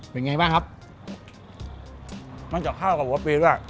เป็นไงบ้างครับมันจะเข้ากับหัวปีด้วย